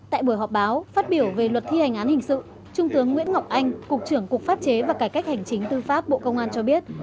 tại buổi họp báo phát biểu về luật thi hành án hình sự trung tướng nguyễn ngọc anh cục trưởng cục pháp chế và cải cách hành chính tư pháp bộ công an cho biết